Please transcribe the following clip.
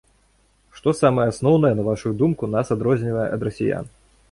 Што самае асноўнае, на вашую думку, нас адрознівае ад расіян?